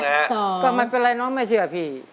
สวัสดีครับสำนาคมมิก็มันเป็นไรเนาะไม่เชื่อพี่